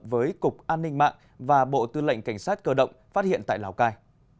với cục an ninh mạng và bộ tư lệnh cảnh sát cơ động phát hiện tại lào cai